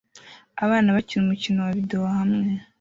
Abana bakina umukino wa videwo hamwe